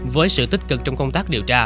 với sự tích cực trong công tác điều tra